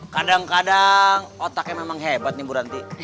kadang kadang otaknya memang hebat nih bu ranti